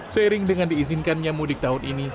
seiring dengan diizinkannya mudik tahun ini